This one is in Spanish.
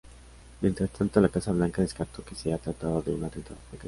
Mientras tanto, la Casa Blanca descartó que se haya tratado de un atentado.